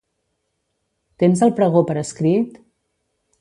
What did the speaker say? Tens el pregó per escrit?